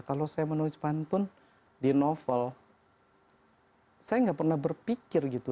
kalau saya menulis pantun di novel saya nggak pernah berpikir gitu